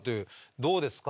どうですか？